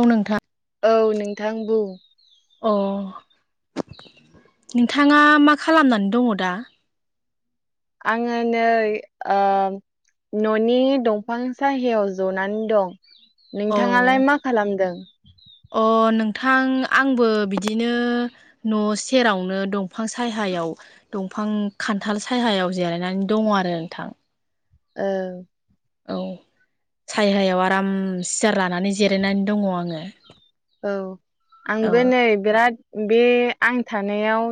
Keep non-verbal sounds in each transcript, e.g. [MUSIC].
औ नोंथां। औ नोंथां बुं अ नोंथाङा मा खालामनानै दङ दा? आङो नै ओ न'नि दंफां सायहायाव जनानै दं। औ नोंथाङालाय मा खालामदों? थां आंबो बिदिनो न' सेरावनो दमफां सायहायाव दं फां खान्थाल सायहायाव जिरायनानै दङ आरो नोंथां। औ औ सायहायाव आराम सियार लानानै जिरायनानै दङ आङो‌। औ आंबो नै बिराद बे आं थानायाव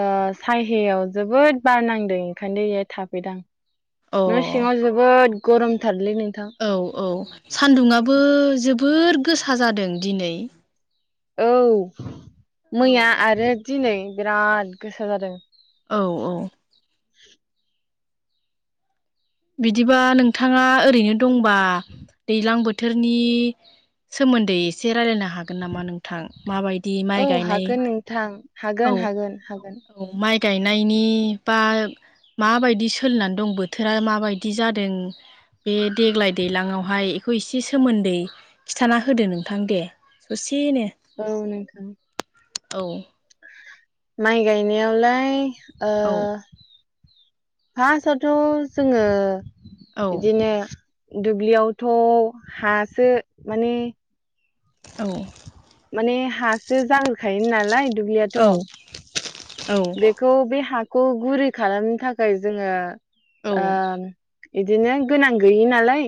ओ सायहायाव जोबोद बार नांदों ओंखायनो इयो थाफैदों आं। औ न' सिङाव जोबोद गरमथार। औ औ सानदुंङाबो जबोर गोसा जादों दिनै। औ औ मैया आरो दिनै बिराद गोसा जादों। औ औ बिदिबा नोंथाङा ओरैनो दंबा दैज्लां बोथ थोरनि सोमोन्दै एसे रायजलायनो हा हागोन नामा नोंथां माबायदि औ माइ गायनाय हागोन नोंथां हागोन औ। हागोन हागोन। औ माइ गायनायनि बा माबायदि सोलिनानै दं बोथोरा माबायदि जादों बे देग्लाय दैलाङावहाय एखौ एसे सोमोन्दै खिथाना होदो नोंथां दे। ससेनो। औ नोंथां। औ। माइ गायनायावलाय ओ औ फार्स्टआवथ' जोङो औ बिदिनो दुब्लियावथ' हासो माने औ। माने हासो जाग्रोखायो नालाय दुब्लियाथ' औ औ बेखौ बे हाखौ गुरै खालामनो थाखाय जोङो ओ। इदिनो गोनां गैयि नालाय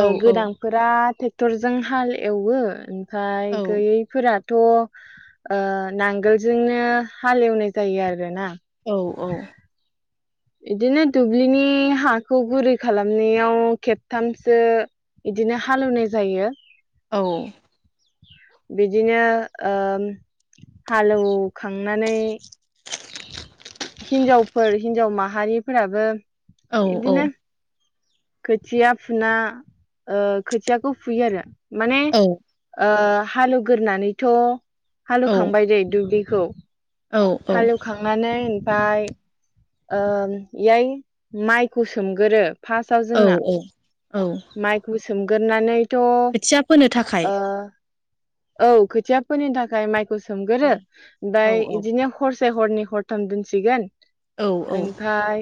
औ गोनांफोरा टरजों हाल एवो ओमफ्राय औ गैयैफोरा थ' ओ नांगोलजोंनो हालेवनाय जायो आरोना। औ औ। इदिनो दुब्लिनि हाखौ गुरै खालामनायाव खेबथामसो बिदिनो हालेवनाय जायो औ। बिदिनो ओम हालौ खांनानै हिनजावफोर हिनजाव माहारिफोराबो औ औ। इदिनो खोथिया फुना ओ खोथियाखौ फुयो आरो माने औ ओ हालौ ग्रोनानैथ' औ हालौखांबाय दैे दुब्लि खौ औ औ हालौ खांनानै फ्राइ ओम इयाय माइखौ सोमगोरो फास्तआव औ जोंना। औ औ माइखौ सोमगोरोनानै थ' ओ खोथिया फोनो थाखाय औ खोथिया फोनायनि थाखाय माइखौ औ सोमगोरो औ ओमफ्राय इदिनो हरस से हरनै हरथाम दोनसिगोन औ औ ओमफ्राय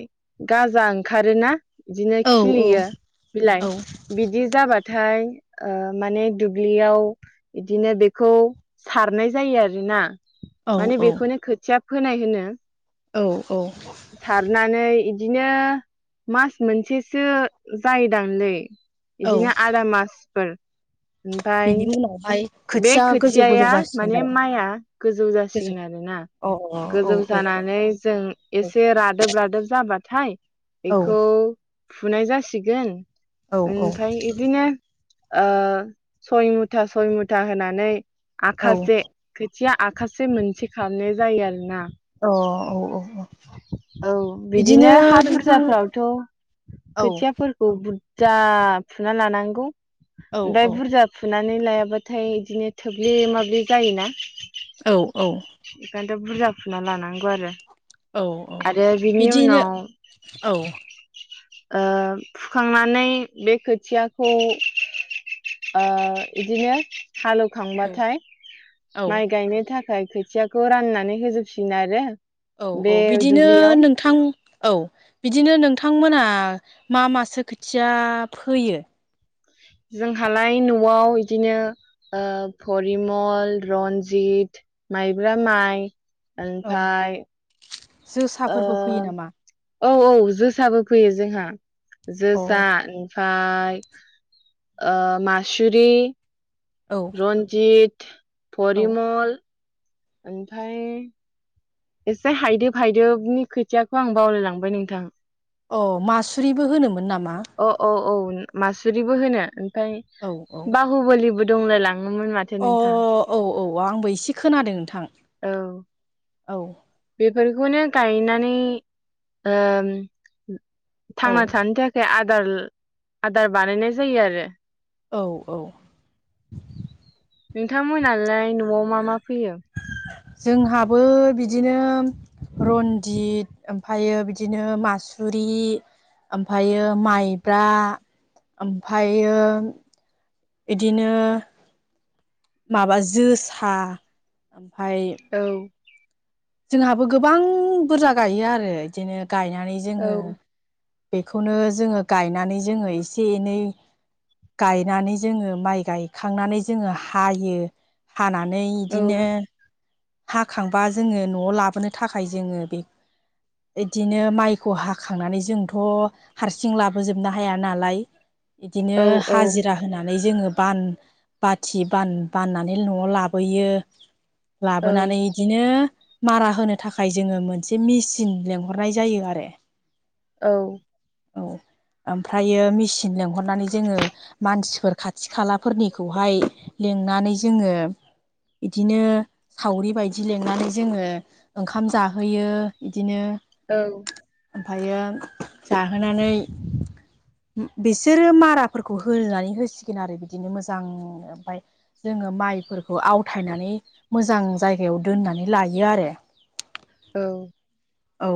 गाजा ओंखारोना बिदिनो औ खिलियो औ बिलाइ औ बिदि जाबा थाय माने ओ दुब्लियाव बिदिनो बेखौ सारनाय जायो आरोना। माने औ बेखौनो खोथिया फोनाय होनो। औ औ सारनानै बिदिनो मास मोनसेसो जायोदांलै औ बिदिनो आदा मासफोर ओमफाय बिनि उनावहाय बे खोथिया गोजौ गोजौ खोथियाया जासिगोन माने माइआ गोजौ जासिगोन आरो ना। गोजौ जानानै जों एसे रादोब रादोब जाबाथाय अ बेखौ फुनाय जासिगोन अ औ ओनफाय इदिनो ओ सय मुथा सय मुथा होनानै औ औ आखासे खाथिया आखासे मोनसे खालामनाय जायो आरो ना। अ औ औ औ औ बिदिनो हा बुरजाफ्रावथ' औ खोथियाफोरखौ बुर जा फुना लानांगौ औ औ ओमफाय बुरजा फुनानै लायाबा थाय इदिनो थोब्ले माबलि जायोना। औ औ। [UNINTELLIGIBLE] बुरजा फुना लानांगौ आरो। औ आरो बिनि बिदिनो उनाव औ ओ फुखांनानै बे खोथियाखौ ओ इदिनो औ हालेवखांबाथाय औ माइ गायनो थाखाय खोथियाखौ राननानै होजोबफिनो आरो औ बे औ बिदिनो दुब्लियाव नोंथां औ बिदिनो नोंथांमोना मा मासो खोथिया फोयो? जोंहालाय न'आव इदिनो ओ परिमल रन्जित माइब्रा माइ औ ओनफाय ओ जोसाफोरबो फोयो नामा? औ औ जोसाबो फोयो जोंहा। औ जोसा ओनफाय ओ मासुरि औ रन्जित परिमल ओनफाय एसे हायदोब हायदोबनि खोथियाखौ आं बावलायलांबाय नोंथां। अ मासुरिबो होनोमोन नामा? अ [UNINTELLIGIBLE] मासुरिबो होनो ओमफाय औ औ बाहुबोलिबो दंलाय लां अ औ औ आंबो एसे खोनादों नोंथां औ औ। बेफोरखौनो गायनानै ओ औ थांना थानो थाखाय आदार आदार बानायनाय जायो आरो। औ औ। नोंथांमोनालाय न'आव मा मा फोयो? जोंहाबो बिदिनो रनजित ओमफायो बिदिनो मासुरि ओमफायो माइब्रा ओमफायो इदिनो माबा जोसा। ओमफाय औ जोंहाबो गोबां बुरजा गायो आरो इदिनो गायनानै जोङो औ बेखौनो जोङो गायनानै जोङो एसे एनै गायनानै जोङो माइ गायखांनानै जोङो हायो। हानानै औ इदिनो हाखांबा जोङो न'आव लाबोनो थाखाय जोङो बे इदिनो माइखौ हाखांनानै जोंथ' हारसिं लाबोजोबनो हाया नालाय इदिनो औ औ हाजिरा होना नानै जोङो बान बाथि बाननानै न'आव लाबोयो। लाबोनानै इदिनो मारा होनो थाखाय जोङो मोनसे मिचिन लेंहरनाय जायो आरो। औ औ ओमफ्रायो मिचिन लिंहरनानै जोङो मानसिफोर खाथि खालाफोरनिखौहाय लिंनानै जोङो इदिनो खावरि बायदि लेंनानै जोङो ओंखाम जाहोयो इदिनो औ ओमफायो जाहोनानै बिसोरो माराफोरखौ होनानै होसिगोन आरो बिदिनो मोजां ओमफाय जोङो माइफोरखौ आवथायनानै मोजां जायगायाव दोननानै लायो आरो। औ औ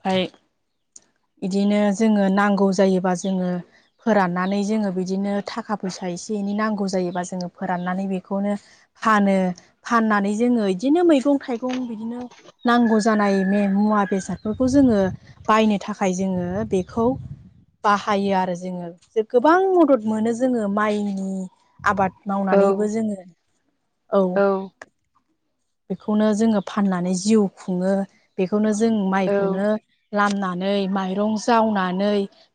फाय बिदिनो जोङो नांगौ जायोबा जोङो फोराननानै जोङो बिदिनो थाखा फैसा एसे एनै नांगौ जायोबा जोङो फोराननानै बेखौनो फानो फाननानै जोङो इदिनो मैगं थाइगं बिदिनो नांगौ जानाय मे मुवा बेसादफोरखौ जोङो बायनो थाखाय जोङो बेखौ बाहायो आरो जोङो जे गोबां मदद मोनो जोङो माइनि आबाद मावनानैबो जोङो औ बेखौनो जोङो फाननानै जिउ खुङो बेखौनो जों औ माइखौनो नै माइरं जावनानै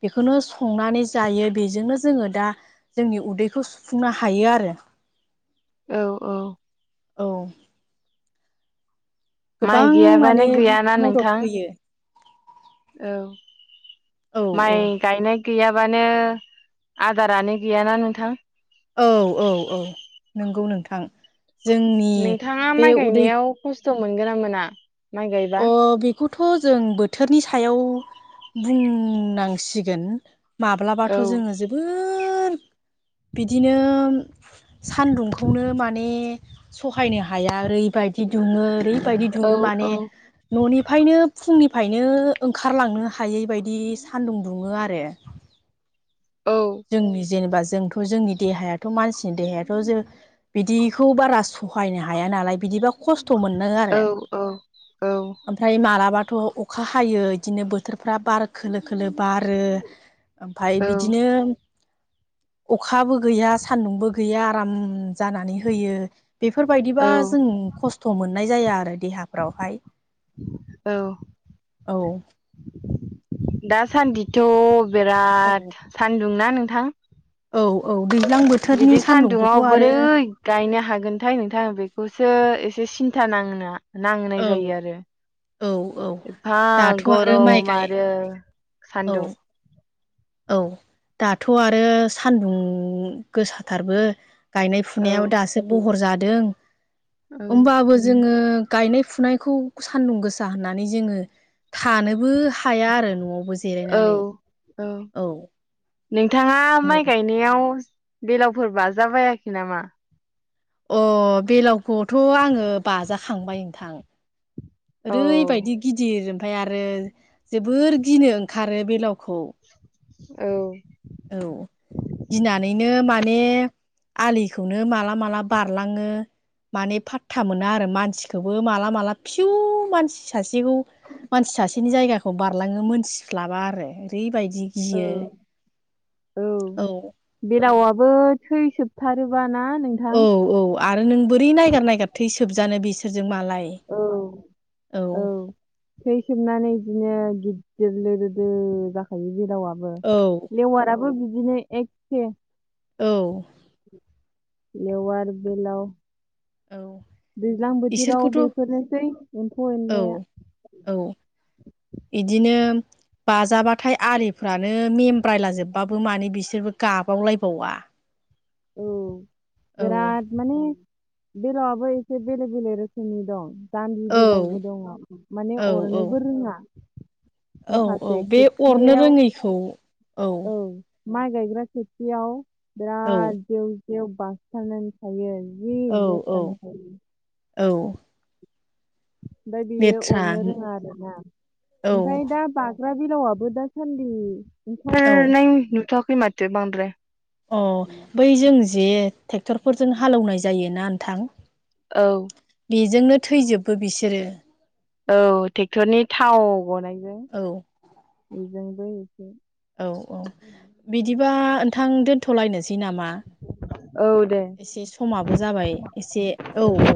बेखौनो संनानै जायो बेजोंनो जोङो दा जोंनि उदैखौ सुफुंनो हायो आरो औ औ औ माइ गोबां गैयाबानो माने गैयाना मदद नोंथां होयो औ औ औ माइ गायनाय गैयाबानो आदारानो गैयाना नोंथां औ औ औ नोंगौ नोंथां जोंनि बे उदै थ' मोनगोना मोना माइ गायबा अ बेखौथ' जों बोथोरनि सायाव बुंनांसिगोन माब्लाबाथ' औ जोङो जोबोद बिदिनोम सानदुंखौनो माने सहायनो हाया ओरैबायदि दुङो ओरै बायदि औ दुङो औ माने न'निफयनो फुंनिफायनो ओंखारलांनो हायै बायदि सान्दुं दुङो आरो [INAUDIBLE] औ जोंनि जेनेबा जोंथ' जोंनि देहायाथ' मानसिनि देहायाथ' जों बिदिखौ बारा सहायनो हाया नालाय बि दिबा खस्थ' मोननो आरो औ ओमफ्राय मालाबा थ' अखा हायो इदिनो बोथोरफ्रा बार खोलो खोलो बारो ओमफाय औ बिदिनो अखाबो गैया सान्दुंबो गैया आराम जानानै होयो बेफोरबायदिबा औ जों खस्थ' मोननाय जाया आरो देहाफ्रावहाय औ औ दासान्दिथ' औ बिराद सान्दुंना नोंथां औ औ दैज्लां बोथोरनि बिदि सान्दुंखौथ' सान्दुंआव बोरै आरो गायनो हागोनथाय नोंथां बेखौ सो एसे सिन्था नांना नांनाय औ जायो आरो औ औ एफा दाथ' आरो माइ गरम गाय आरो औ सान्दुं औ दाथ' आरो सान्दुं गोसाथारबो गायनाय औ फुनायाबो दासो बहर जादों औ होमबाबो जोङो गायनाय फुनायखौ सान्दुं गोसा होननानै जोङो थानोबो हाया आरो न'आव बो जिरायनानै औ नोंथाङा माइ गायनायाव बेलावफोर बाजाबायाखै नामा अ बेलावखौथ' आङो बाजाखांबाय नोंथां औ ओरैबायदि गिदिर फाय आरो जोबोर गिनो ओंखारो बेलावखौ औ औ गिनानैनो माने आलिखौनो माला माला बारलाङो माने फाथथा मोना आरो मानसिखौबो माला माला फिउ मानसि सासेखौ मानसि सासेनि जायगाखौ बारलाङो मोनथिस्लाबा आरो ओरैबायदि औ गियो। औ औ बेलावाबो थै सोबथारोबा। औ औ आरो नों बोरै नायगार नायगिर थै सोबजानो बिसोरजों। मालाय औ औ थै सोबनानै बिदिनो गिददिर लोदोदो जाखायो बेलावाबो औ लेवाराबो बि दिनो एखखे। औ लेवार बेलाव। औ दैज्लां बोथोराव इसोरखौथ' बेफोरनोसै एम्फौ औ एनलाया। औ इदिनो बाजाबाथाय आलिफ्रानो मेमब्रायलाजोबबाबो मानो बिसोरबो गाबावलायबावा। औ औ बिराद माने बेलावआबो एसे बेलेग बेलेग रोखोमनि दं। जामबि औ बेलावबो दङ औ माने अरनोबो रोङा। औ औ माखासे बे अरनो खोथियायाव रोङैखौ औ माइ गायग्रा खोथियाव औ बिराद जेव बेयाव बासथाबनानै थायो जि औ औ लेथ्रा नुखायो। औ ओमफाय बियो लेथ्रा अरनो रोङा आरोना औ ओमफाय दा बा ग्रा बिलावआबो दासान्दि औ ओंखारनाय नुथ'वाखै माथो बांद्राय। अ बै जों जे टेक्टरफोरजों हालौनाय जायोना नोंथां। औ बेजोंनो थैजोबो बिसोरो। औ टेक्टरनि थाव गनाय औ बेजोंबो एसे। औ औ बिदिबा ओनथां दोनथ'लायनोसै नामा? औ दे एसे समाबो जाबाय एसे औ औ।